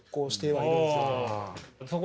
はい。